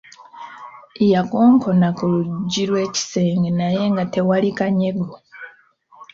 Yakonkona ku luggi lw'ekisenge naye nga tewali kanyego.